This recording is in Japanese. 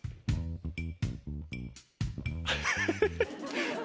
ハハハ。